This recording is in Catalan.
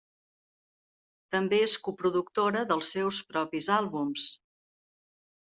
També és coproductora dels seus propis àlbums.